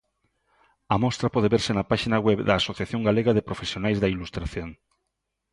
A mostra pode verse na páxina web da Asociación Galega de Profesionais da Ilustración.